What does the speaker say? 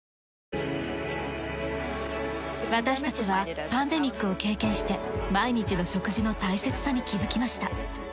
私たちはパンデミックを経験して毎日の食事の大切さに気づきました。